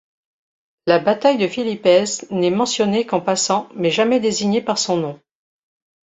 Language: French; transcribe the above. La bataille de Philippes n'est mentionnée qu'en passant mais jamais désignée par son nom.